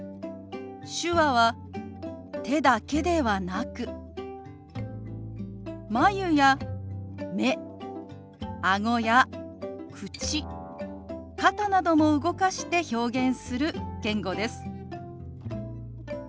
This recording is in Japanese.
手話は手だけではなく眉や目あごや口肩なども動かして表現する言語です。